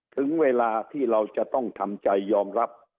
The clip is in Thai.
ถึงเวลาที่เราจะต้องทำใจยอมรับ